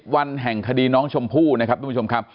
วันแห่งคดีน้องชมพู่นะครับทุกผู้ชมครับ